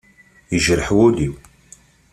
Yejreḥ wul-iw.